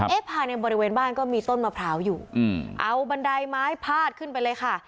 ภายในบริเวณบ้านก็มีต้นมะพร้าวอยู่เอาบันไดไม้พาดขึ้นไปเลยค่ะ